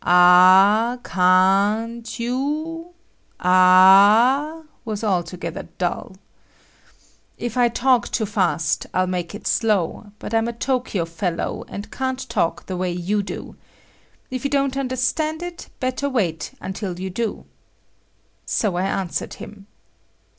"A ah ca an't you?" "A ah?" was altogether dull. "If I talk too fast, I'll make it slow, but I'm a Tokyo fellow, and can't talk the way you do. If you don't understand it, better wait until you do." So I answered him.